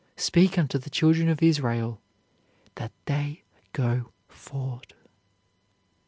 Speak unto the children of Israel, that they go forward."